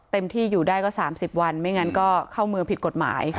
ที่อยู่ได้ก็๓๐วันไม่งั้นก็เข้าเมืองผิดกฎหมาย